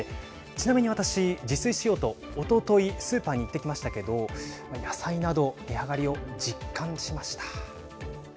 ちなみに私、自炊しようとおとといスーパーに行ってきましたけど野菜など値上がりを実感しました。